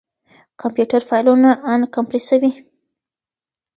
کمپيوټر فايلونه اَنکمپريسوي.